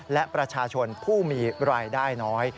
และประชาชนผู้มีรายได้น้อย